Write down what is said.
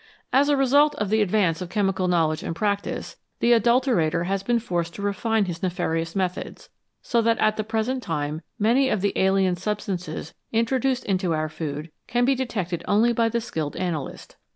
As a result of the advance of chemical knowledge and practice, the adulterator has been forced to refine his nefarious methods, so that at the present time many of the alien substances introduced into our food can be detected only by the skilled analyst.